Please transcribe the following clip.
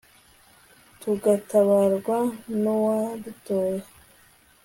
tugatabarwa n'uwadutoye